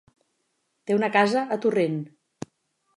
Té una casa a Torrent.